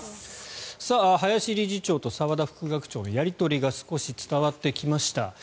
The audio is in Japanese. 林理事長と澤田副学長のやり取りが少し伝わってきました。